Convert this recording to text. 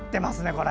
これ。